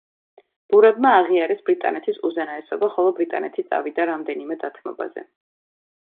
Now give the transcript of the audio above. ბურებმა აღიარეს ბრიტანეთის უზენაესობა ხოლო ბრიტანეთი წავიდა რამდენიმე დათმობაზე.